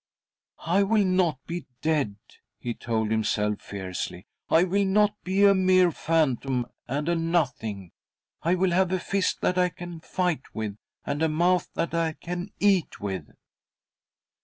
" I will not be dead," he told himself fiercely. " I will not be a mere phantom and a nothing ! I will have a fist that I can fight with and a mouth that I can eat with."